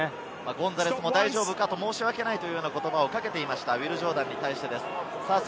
ゴンザレスも申し訳ないという言葉をかけていました、ウィル・ジョーダンに対してです。